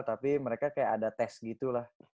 tapi mereka kayak ada tes gitu lah